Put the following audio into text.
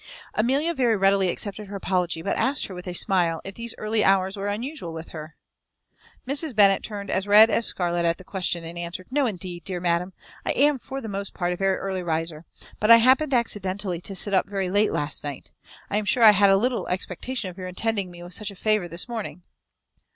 Amelia very readily accepted her apology, but asked her with a smile, if these early hours were usual with her? Mrs. Bennet turned as red as scarlet at the question, and answered, "No, indeed, dear madam. I am for the most part a very early riser; but I happened accidentally to sit up very late last night. I am sure I had little expectation of your intending me such a favour this morning."